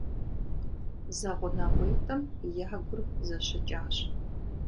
ЗэгъунэгъуитӀым я гур зэщыкӀащ.